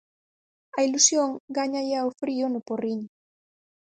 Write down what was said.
A ilusión gáñalle ao frío no Porriño.